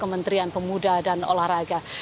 kementerian pemuda dan olahraga